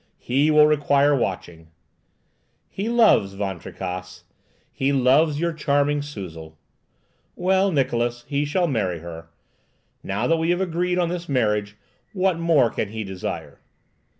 He will require watching!" "He loves, Van Tricasse,—he loves your charming Suzel." "Well, Niklausse, he shall marry her. Now that we have agreed on this marriage, what more can he desire?"